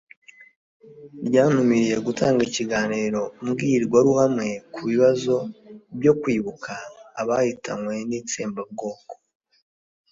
ryantumiriye gutanga ikiganiro mbwirwaruhamwe ku kibazo cyo kwibuka abahitanwe n'itsembabwoko